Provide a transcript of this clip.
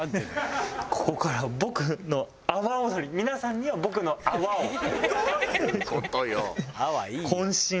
皆さんには僕の阿波を。